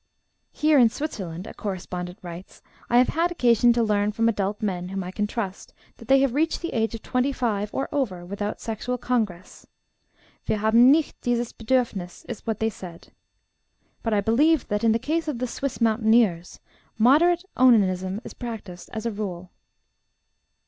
"Here in Switzerland," a correspondent writes, "I have had occasion to learn from adult men, whom I can trust, that they have reached the age of twenty five, or over, without sexual congress. 'Wir haben nicht dieses Bedürfniss,' is what they say. But I believe that, in the case of the Swiss mountaineers, moderate onanism is practiced, as a rule."